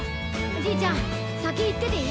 じいちゃんさきいってていい？